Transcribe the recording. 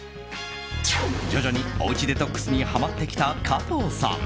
徐々に、おうちデトックスにハマってきた加藤さん。